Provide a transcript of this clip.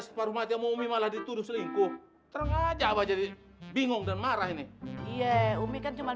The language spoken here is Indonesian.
separuh mati mumi malah dituduh selingkuh terenga aja apa jadi bingung dan marah ini iya umi kan cuman